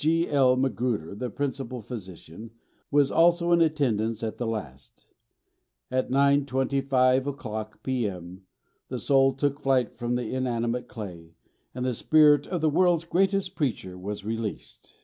G.L. Magruder, the principal physician, was also in attendance at the last. At 9.25 o'clock p.m., the soul took flight from the inanimate clay, and the spirit of the world's greatest preacher was released."